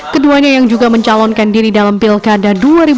keduanya yang juga mencalonkan diri dalam pilkada dua ribu dua puluh